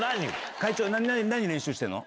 「会長何練習してんの？